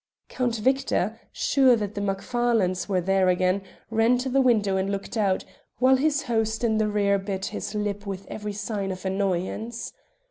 Count Victor, sure that the Macfarlanes were there again, ran to the window and looked out, while his host in the rear bit his lip with every sign of annoyance.